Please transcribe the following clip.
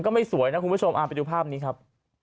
ไม่สวยนะคุณผู้ชมไปดูภาพนี้ครับ